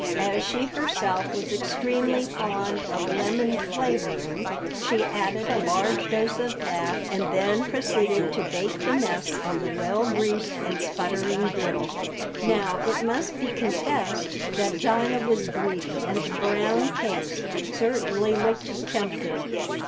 As she herself was extremely fond of lemon flavoring, she added a large dose of that, and then proceeded to bake the mess on the well greased and sputtering griddle. Now it must be confessed that Dinah was greedy, and the brown cakes certainly looked tempting.